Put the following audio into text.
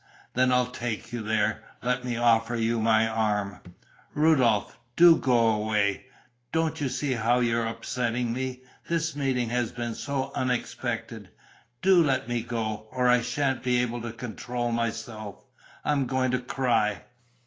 "Then I'll take you there. Let me offer you my arm." "Rudolph, do go away! Don't you see how you're upsetting me? This meeting has been so unexpected. Do let me go, or I sha'n't be able to control myself. I'm going to cry....